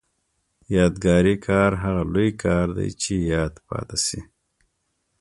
یادګاري کار هغه لوی کار دی چې یاد پاتې شي.